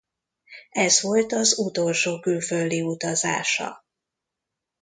Ez volt az utolsó külföldi utazása.